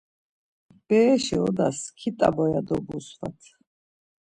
Bereşi odas skit̆a boya dobusvit.